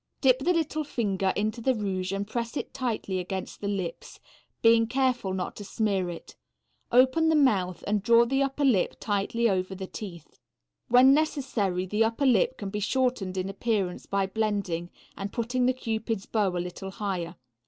Dip the little finger into the rouge and press it tightly against the lips, being careful not to smear it; open the mouth and draw the upper lip tight over the teeth. When necessary the upper lip can be shortened in appearance by blending and putting the cupid's bow a little higher.